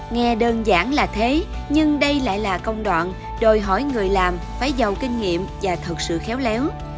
nghe đơn giản là thế nhưng đây lại là công đoạn đòi hỏi người làm phải giàu kinh nghiệm và thật sự khéo léo